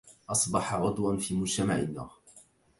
أصبح عضوا في مجتمعنا